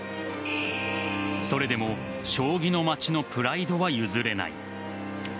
それでも将棋の街のプライドは譲れない。